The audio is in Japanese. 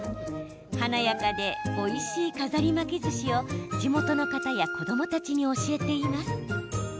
華やかでおいしい飾り巻きずしを地元の方や子どもたちに教えています。